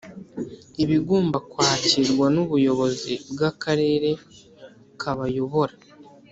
iba igomba kwakirwa n’ubuyobozi bw’akarere kabayobora.